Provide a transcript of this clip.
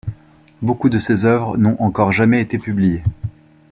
Beaucoup de ses œuvres n’ont encore jamais été publiées.